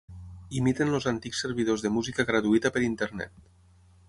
Imiten els antics servidors de música gratuïta per Internet.